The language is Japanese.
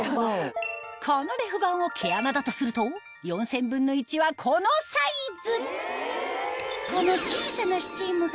このレフ板を毛穴だとすると４０００分の１はこのサイズ